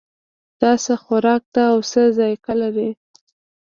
دا څه خوراک ده او څه ذائقه لري